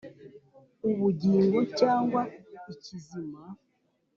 ubugingo cyangwa ikizima